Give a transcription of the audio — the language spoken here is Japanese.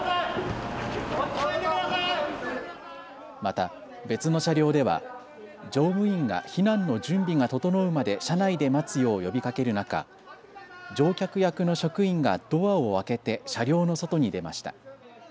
また、別の車両では乗務員が避難の準備が整うまで車内で待つよう呼びかける中乗客役の職員がドアを開けて車両の外に出ました。